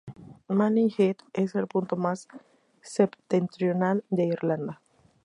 Malin Head es el punto más septentrional de Irlanda.